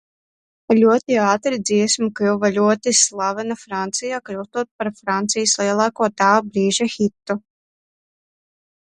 Ļoti ātri dziesma kļuva ļoti slavena Francijā, kļūstot par Francijas lielāko tā brīža hitu.